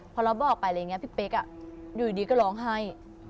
พอเราบอกไปพี่เป๊กอยู่ดีก็ร้องไห้